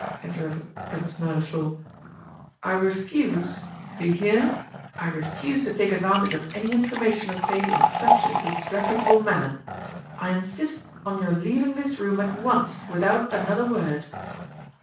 interrupted Prince Mirliflor, "I refuse do you hear? I refuse to take advantage of any information obtained in such a disreputable manner I insist on your leaving this room at once without another word!"